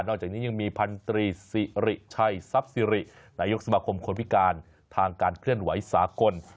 อกจากนี้ยังมีพันธรีสิริชัยทรัพย์สิรินายกสมาคมคนพิการทางการเคลื่อนไหวสากล